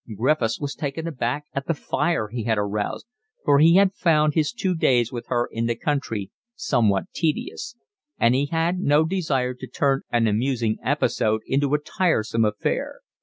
Griffiths was taken aback at the fire he had aroused, for he had found his two days with her in the country somewhat tedious; and he had no desire to turn an amusing episode into a tiresome affair.